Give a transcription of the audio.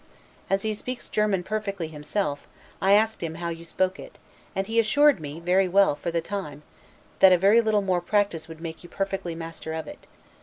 As he speaks German perfectly himself, I asked him how you spoke it; and he assured me very well for the time, and that a very little more practice would make you perfectly master of it.